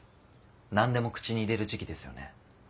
何でも口に入れる時期ですよね。